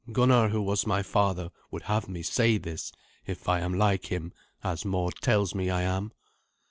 Gunnar, who was my father, would have me say this, if I am like him, as Mord tells me I am."